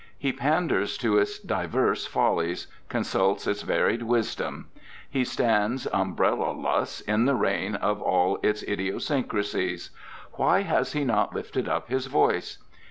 He panders to its divers follies, consults its varied wisdom. He stands umbrellaless in the rain of all its idiosyncrasies. Why has he not lifted up his voice?